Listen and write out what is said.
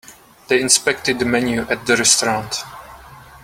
They inspected the menu at the restaurant.